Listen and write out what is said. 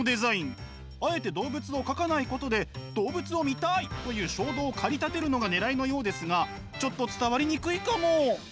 あえて動物を描かないことで「動物を見たい！」という衝動を駆り立てるのがねらいのようですがちょっと伝わりにくいかも。